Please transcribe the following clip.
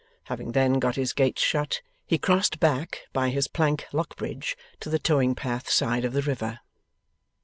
Having then got his gates shut, he crossed back by his plank lock bridge to the towing path side of the river.